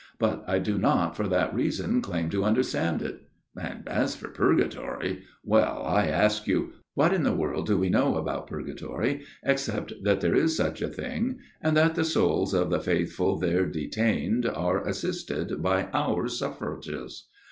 But I do not for that reason claim to understand it. ... And as for purgatory well, I ask you, What in the world do we know about purgatory except that there is such a thing, and that the souls of the faithful there detained are assisted by our suffrages